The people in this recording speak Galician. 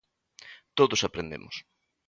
Todos aprendemos.